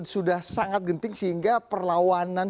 sudah sangat genting sehingga perlawanan